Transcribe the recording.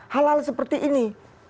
hal hal seperti ini